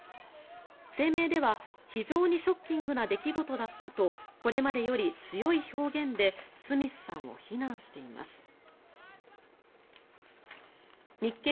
声明では非常にショッキングな出来事だったとこれまでより強い表現でスミスさんを非難しています。